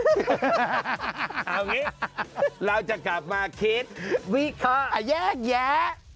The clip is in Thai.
เอาอย่างนี้เราจะกลับมาคิดวิเคราะห์แยกแยะ